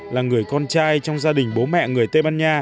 là người con trai trong gia đình bố mẹ người tây ban nha